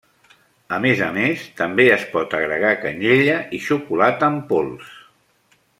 A més a més també es pot agregar canyella i xocolata en pols.